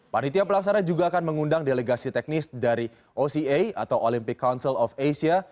panitia pelaksana juga akan mengundang delegasi teknis dari oca atau olympic council of asia